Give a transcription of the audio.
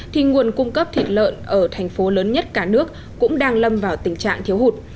thì nguồn cung cấp thịt lợn ở thành phố lớn nhất cả nước cũng đang lâm vào tình trạng thiếu hụt